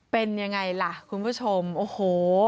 เป็นยังไงล่ะคุณผู้ชมโอ้โห